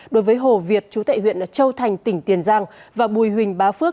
đối với hồ việt chú tệ huyện châu thành tỉnh tiền giang và bùi huỳnh bá phước